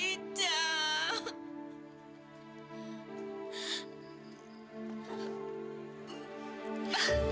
kamu sudah berubah